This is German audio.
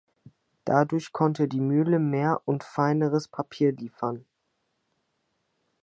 Dadurch konnte die Mühle mehr und feineres Papier liefern.